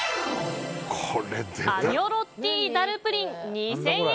アニョロッティダルプリン２０００円。